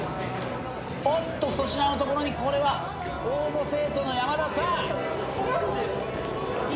おっと粗品のところにこれは応募生徒の山田さん。